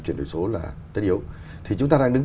chuyển đổi số là tất yếu thì chúng ta đang đứng